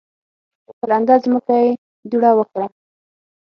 په لنده ځمکه یې دوړه وکړه.